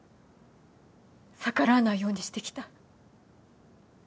逆らわないようにしてきた。